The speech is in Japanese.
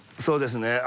そうですね。